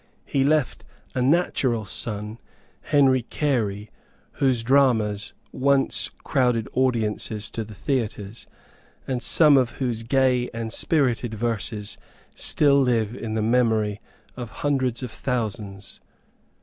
He left a natural son, Henry Carey, whose dramas once drew crowded audiences to the theatres, and some of whose gay and spirited verses still live in the memory of hundreds of thousands.